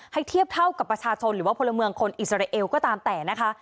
เทียบเท่ากับประชาชนหรือว่าพลเมืองคนอิสราเอลก็ตามแต่นะคะ